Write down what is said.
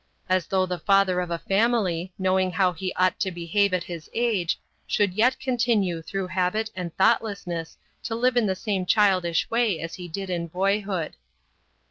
As though the father of a family, knowing how he ought to behave at his age, should yet continue through habit and thoughtlessness to live in the same childish way as he did in boyhood.